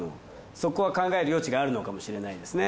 そこは考える余地があるのかもしれないですね。